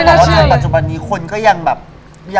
เมื่อก่อนจะสิ่งต่างเคย